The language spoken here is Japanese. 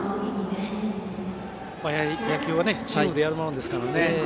野球はチームでやるものですから。